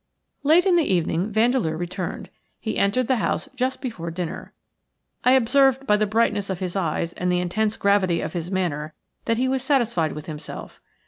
Late in the evening Vandeleur returned. He entered the house just before dinner. I observed by the brightness of his eyes and the intense gravity of his manner that he was satisfied with himself.